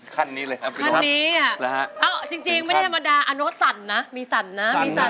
ขั้นนี้เลยค่ะจริงไม่ได้ภรรดาอันนเขาสั่นนะ